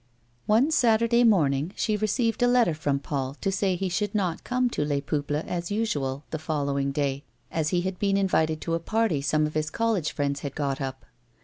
One Saturday morning she received a letter from Paul to say he should not come to Les Peuples as usual, the follow ing day, as he had been invited to a party some of his college friends had got up.